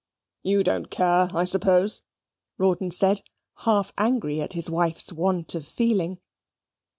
"YOU don't care, I suppose?" Rawdon said, half angry at his wife's want of feeling.